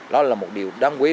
đó là một điều đáng quý